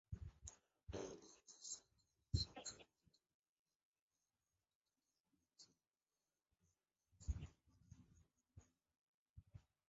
LNG শৃঙ্খলের সবচেয়ে গুরুত্বপূর্ণ এবং ব্যয়বহুল দুটি ধাপ হচ্ছে এলএনজি উৎপাদন ও পরিবহন।